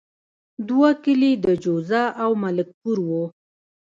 دوه کلي د جوزه او ملک پور وو.